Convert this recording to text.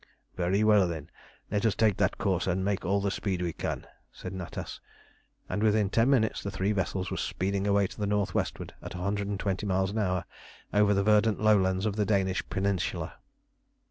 "Very well, then, let us take that course and make all the speed we can," said Natas; and within ten minutes the three vessels were speeding away to the north westward at a hundred and twenty miles an hour over the verdant lowlands of the Danish peninsula.